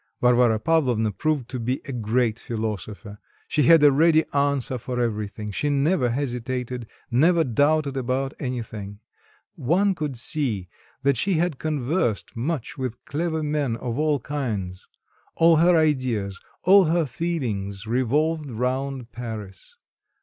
Varvara Pavlovna proved to be a great philosopher; she had a ready answer for everything; she never hesitated, never doubted about anything; one could see that she had conversed much with clever men of all kinds. All her ideas, all her feelings revolved round Paris.